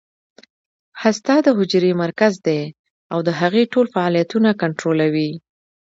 هسته د حجرې مرکز دی او د هغې ټول فعالیتونه کنټرولوي